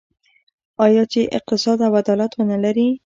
آیا چې اقتصاد او عدالت ونلري؟